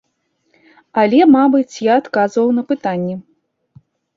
Але, мабыць, я адказваў на пытанні.